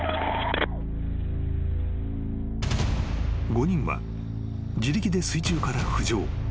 ［５人は自力で水中から浮上］